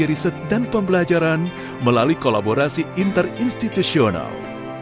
riset dan pembelajaran melalui kolaborasi interinstitusional